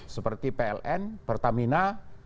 seperti pln pertamina